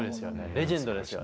レジェンドですよね。